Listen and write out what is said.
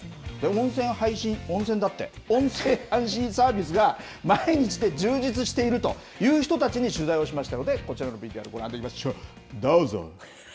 おんせん配信、おんせんだって、音声配信サービスが毎日で、充実している人たちに取材をしましたので、こちらのＶＴＲ、ご覧いただきましょう。